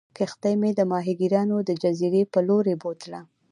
کښتۍ مې د ماهیګیرانو د جزیرې په لورې بوتله.